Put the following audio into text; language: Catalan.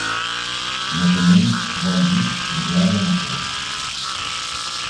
Més o menys vol dir "glòria major".